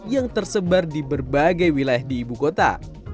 yang tersebar di berbagai wilayah di ibu kota